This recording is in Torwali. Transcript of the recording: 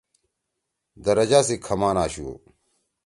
درجہ سی کھمان آشُو۔